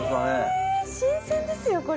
新鮮ですよ、これ。